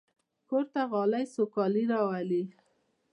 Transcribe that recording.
کور ته غالۍ سوکالي راولي.